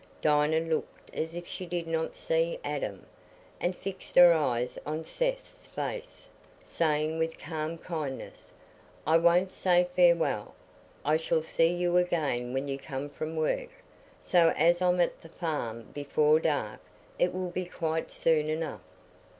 Dinah looked as if she did not see Adam, and fixed her eyes on Seth's face, saying with calm kindness, "I won't say farewell. I shall see you again when you come from work. So as I'm at the farm before dark, it will be quite soon enough."